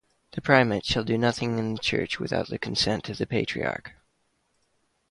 The primate shall do nothing in the church without the consent of the patriarch.